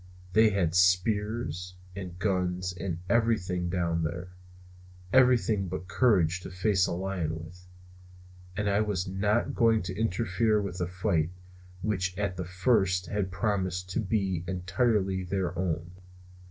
They had spears and guns and everything down there, everything but courage to face a lion with; and I was not going to interfere with a fight which at the first had promised to be entirely their own.